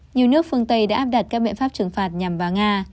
nhiều nước phương tây đã áp đặt các miệng pháp trừng phạt nhằm vào nga